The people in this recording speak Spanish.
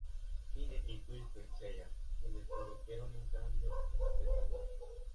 Quine y Wilfrid Sellars, quienes produjeron un cambio en su pensamiento.